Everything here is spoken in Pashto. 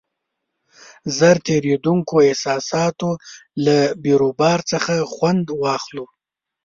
ژر تېرېدونکو احساساتو له بیروبار څخه خوند واخلو.